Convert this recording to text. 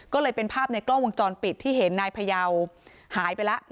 ก็เลยเป็นภาพในกล้องวงจรปิดที่เห็นนายพยาวหายไปแล้ว